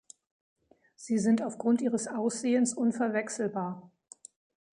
Sie sind aufgrund ihres Aussehens unverwechselbar.